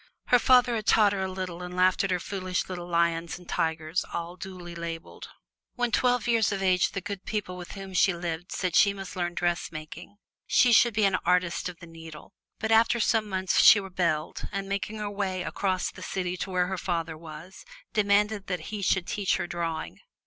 Her father had taught her a little and laughed at her foolish little lions and tigers, all duly labeled. When twelve years of age the good people with whom she lived said she must learn dressmaking. She should be an artist of the needle. But after some months she rebelled and, making her way across the city to where her father was, demanded that he should teach her drawing.